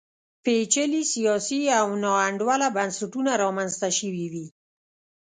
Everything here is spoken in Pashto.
پېچلي سیاسي او ناانډوله بنسټونه رامنځته شوي وي.